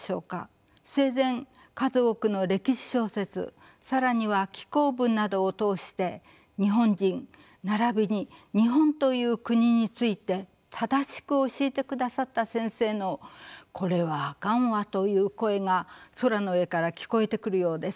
生前数多くの歴史小説更には紀行文などを通して日本人ならびに日本という国について正しく教えてくださった先生の「これはあかんわ」という声が空の上から聞こえてくるようです。